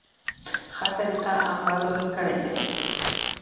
ښه طریقه عمل کړی دی.